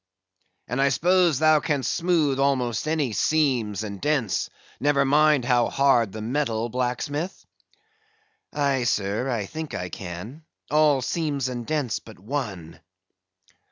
"And I suppose thou can'st smoothe almost any seams and dents; never mind how hard the metal, blacksmith?" "Aye, sir, I think I can; all seams and dents but one."